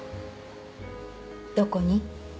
どこに？